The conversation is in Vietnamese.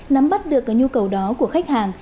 nắm bắt được cái nhu cầu đó của khách hàng